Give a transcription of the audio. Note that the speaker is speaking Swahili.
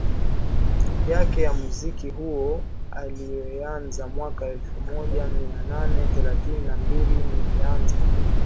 yake ya Muziki huo aliyoianza mwaka elfu moja mia nane thelathini na mbili Nilianza